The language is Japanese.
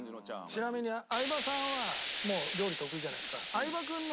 ちなみに相葉さんはもう料理得意じゃないですか。